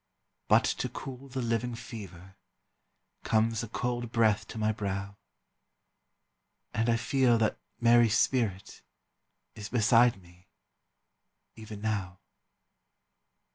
But to cool the living fever, Comes a cold breath to my brow, And I feel that Mary's spirit Is beside me, even now.